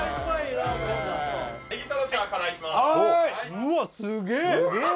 うわっすげえ！